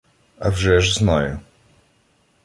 — Авжеж знаю.